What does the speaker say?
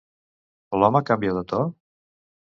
L'home canvia de to?